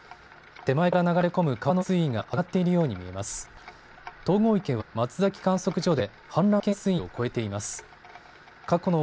手前から流れ込む川の水位が上がっているように見えます。